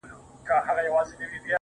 اوس هره شپه سپينه سپوږمۍ.